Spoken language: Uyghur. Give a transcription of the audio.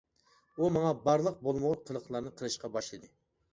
ئۇ ماڭا بارلىق بولمىغۇر قىلىقلارنى قىلىشقا باشلىدى.